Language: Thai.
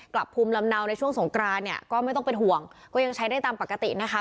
กลับภูมิลำเนาในช่วงสงกรานเนี่ยก็ไม่ต้องเป็นห่วงก็ยังใช้ได้ตามปกตินะคะ